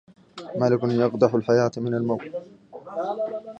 مَلِكٌ يقدحُ الحياة من الموْ